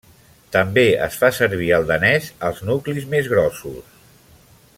També es fa servir el danès als nuclis més grossos.